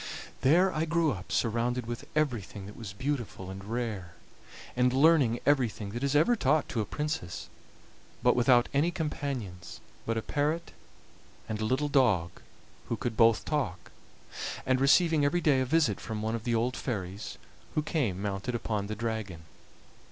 There I grew up surrounded with everything that was beautiful and rare, and learning everything that is ever taught to a princess, but without any companions but a parrot and a little dog, who could both talk; and receiving every day a visit from one of the old fairies, who came mounted upon the dragon.